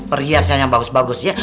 perhiasan yang bagus bagus ya